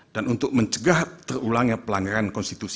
dan untuk mencegah terulangnya pelanggaran konstitusi